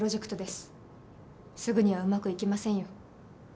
すぐにはうまくいきませんよ。